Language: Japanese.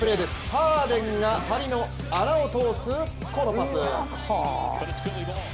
ハーデンが針の穴を通すこのパス。